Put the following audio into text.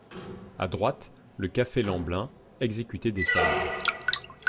A droite, le café Lemblin exécutait des salves.